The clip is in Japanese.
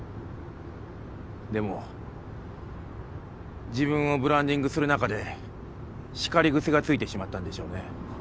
でも自分をブランディングする中で「叱り癖」がついてしまったんでしょうね。